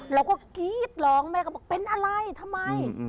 เราก็กรี๊ดร้องแม่ก็บอกเป็นอะไรทำไม